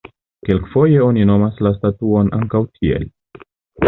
Kelkfoje oni nomas la statuon ankaŭ tiel.